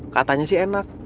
katanya sih enak